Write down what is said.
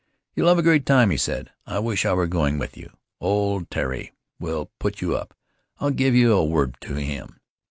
'You'll have a great time,' he said; 'I wish I were going with you. Old Tari will put you up — I'll give you a word to him.